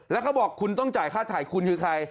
แล้วเขาบอกคุณต้องจ่ายค่าถ่ายคุณคือใคร